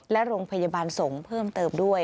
และโรงพยาบาลสงฆ์เพิ่มเติมด้วย